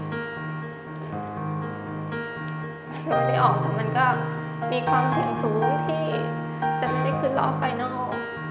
ไม่รู้ได้ออกมันก็มีความเสี่ยงสูงที่จะไม่ได้ขึ้นรอไฟนัล